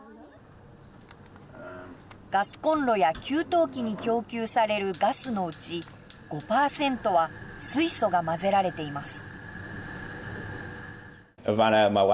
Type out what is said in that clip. ガスコンロや給湯器に供給されるガスのうち５％は水素が混ぜられています。